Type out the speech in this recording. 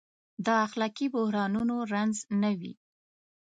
د اخلاقي بحرانونو رنځ نه وي.